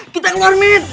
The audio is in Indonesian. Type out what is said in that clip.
kita keluar mit